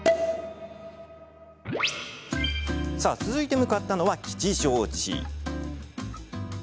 続いて向かったのは、吉祥寺。